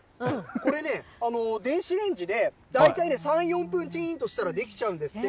これね、電子レンジで、大体３、４分、ちんとしたら出来ちゃうんですって。